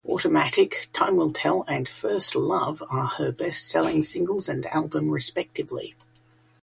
"Automatic", "Time Will Tell" and "First Love" are her best-selling singles and album respectively.